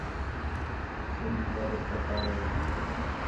صحیح عبادت تا تَڑ ہِے